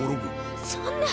そんな！